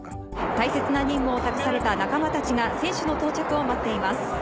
大切な任務を託された仲間たちが選手の到着を待っています。